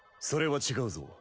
それは違うぞ。